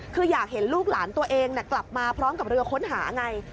คืออยากเห็นลูกหลานตัวเองกลับมาพร้อมกับเรือค้นหาไง